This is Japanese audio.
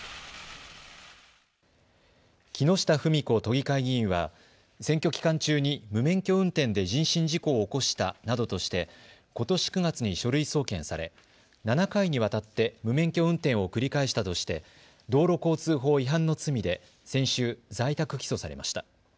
木下富美子都議会議員は選挙期間中に無免許運転で人身事故を起こしたなどとしてことし９月に書類送検され７回にわたって無免許運転を繰り返したとして道路交通法違反の罪で先週、在宅起訴されました。